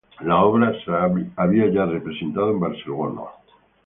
La obra se había ya representado en Barcelona.